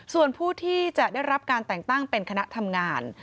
ส่วนผู้ที่จะได้รับการแต่งตั้งเป็นคณะทำงาน